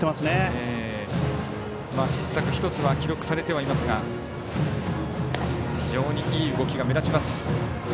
失策１つは記録されてはいますが非常にいい動きは目立ちます。